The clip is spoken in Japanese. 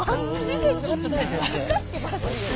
分かってますよ。